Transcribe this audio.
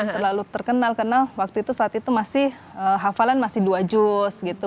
terlalu terkenal karena waktu itu saat itu masih hafalan masih dua juz gitu